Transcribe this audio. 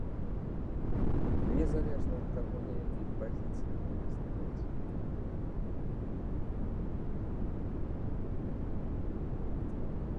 Незалежна ад таго, на якіх пазіцыях яны стаяць.